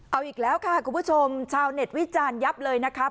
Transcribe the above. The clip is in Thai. เอาอีกแล้วค่ะคุณผู้ชมชาวเน็ตวิจารณ์ยับเลยนะคะ